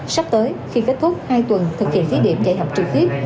sắp tới khi kết thúc hai tuần thực hiện thí điểm dạy học trực tiếp